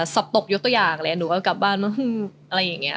สอบตกยกตัวอย่างเลยหนูก็กลับบ้านอะไรอย่างนี้